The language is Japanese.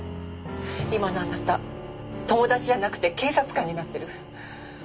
今のあなた友達じゃなくて警察官になってる。